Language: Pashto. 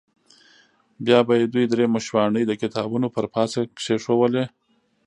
بیا به یې دوې درې مشواڼۍ د کتابونو پر پاسه کېښودلې.